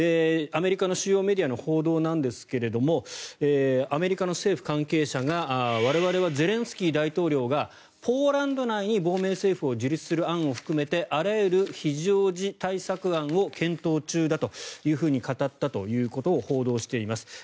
アメリカの主要メディアの報道なんですがアメリカの政府関係者が我々はゼレンスキー大統領がポーランド内に亡命政府を樹立する案を含めてあらゆる非常時対策案を検討中だというふうに語ったということを報道しています。